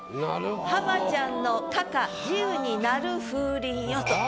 「浜ちゃんの呵々慈雨に鳴る風鈴よ」と。